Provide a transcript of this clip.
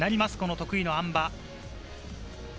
得意のあん馬。